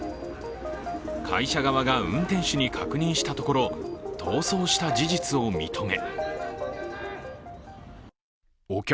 会社側が運転手に確認したところ、逃走した事実を認め